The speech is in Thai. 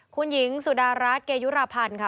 คุณหญิงสุดารัฐเกยุรพันธ์ค่ะ